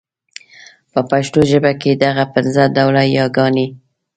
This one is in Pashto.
په پښتو ژبه کي دغه پنځه ډوله يې ګاني